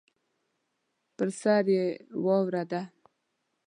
پر سر یې واوره ده.